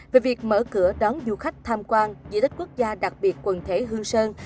về việc mở cửa đón du khách tham quan dĩ đích quốc gia đặc biệt quần thể hương sơn